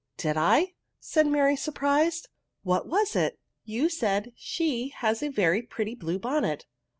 '*" Did I ?" said Mary, surprised. « What was it?" " You said, she has a very pretty blue bonnet."